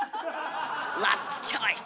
ラストチョイス。